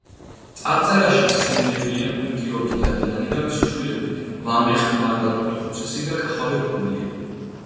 წარწერაში იხსენიებიან გიორგი დადიანი და მისი შვილები, ვამეყ მანდატურთუხუცესი და კახაბერ გურიელი.